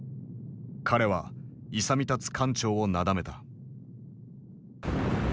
彼は勇み立つ艦長をなだめた。